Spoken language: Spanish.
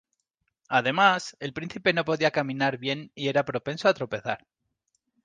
Además, el príncipe no podía caminar bien, y era propenso a tropezar.